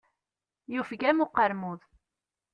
Yufeg-am uqermud.